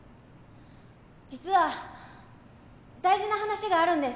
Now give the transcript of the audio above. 実は大事な話があるんです。